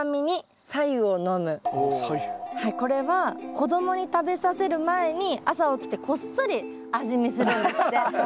これは子供に食べさせる前に朝起きてこっそり味見するんですって。